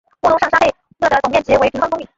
穆东上沙佩勒的总面积为平方公里。